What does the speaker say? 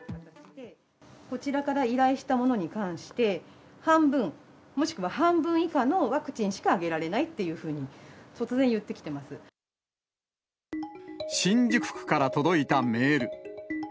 こちらから依頼したものに関して、半分、もしくは半分以下のワクチンしかあげられないっていうふうに、新宿区から届いたメール。